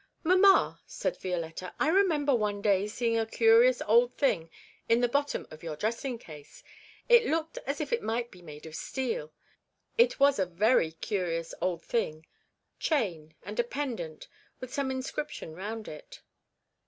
'Mamma,' said Violetta, 'I remember one day seeing a curious old thing in the bottom of your dressing case. It looked as if it might be made of steel. It was a very curious old thing chain, and a pendant with some inscription round it.'